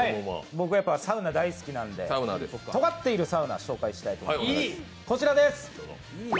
僕はサウナ大好きなんでとがっているサウナを紹介したいと思います。